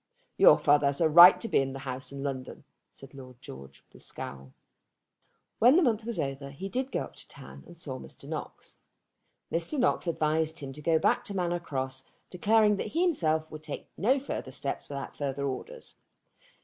"Your father has a right to be in the house in London," said Lord George with a scowl. When the month was over he did go up to town, and saw Mr. Knox. Mr. Knox advised him to go back to Manor Cross, declaring that he himself would take no further steps without further orders.